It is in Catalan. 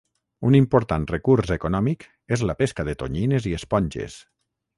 Un important recurs econòmic és la pesca de tonyines i esponges.